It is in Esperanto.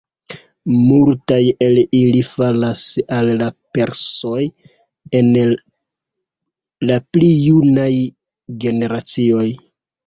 Multaj el ili falas al la persoj en la pli junaj generacioj.